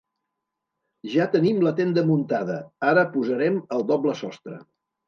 Ja tenim la tenda muntada, ara posarem el doble sostre.